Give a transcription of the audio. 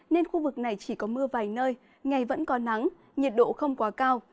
nên khu vực này chỉ có mưa vài nơi ngày vẫn có nắng nhiệt độ không quá cao